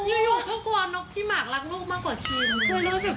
อยู่ก็กลัวนกพี่หมากรักลูกมากกว่าชิม